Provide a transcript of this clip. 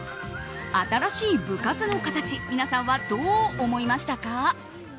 新しい部活の形皆さんはどう思いましたか？